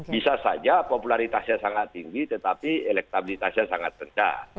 bisa saja popularitasnya sangat tinggi tetapi elektabilitasnya sangat pecah